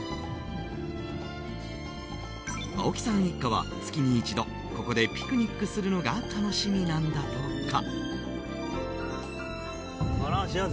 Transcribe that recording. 青木さん一家は、月に一度ここでピクニックするのが楽しみなんだとか。